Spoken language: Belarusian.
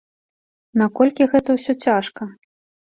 Наколькі гэта ўсё цяжка?